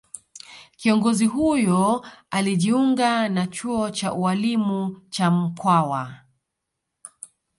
Kiongozi huyo alijiunga na chuo cha ualimu cha Mkwawa